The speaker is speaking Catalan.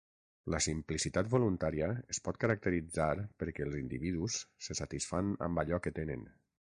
La simplicitat voluntària es pot caracteritzar perquè els individus se satisfan amb allò que tenen.